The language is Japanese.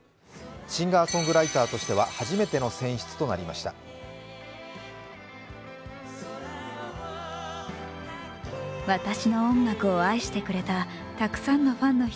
シンガーソングライターとしては初めての選出となりました。